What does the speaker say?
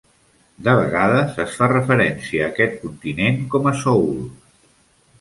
De vegades es fa referència a aquest continent com a Sahul.